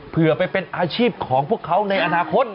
เพื่อไปเป็นอาชีพของพวกเขาในอนาคต